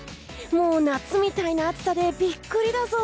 もう夏みたいな暑さでビックリだぞ。